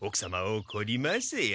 おこりますよ。